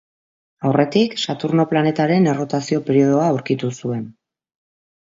Aurretik Saturno planetaren errotazio periodoa aurkitu zuen.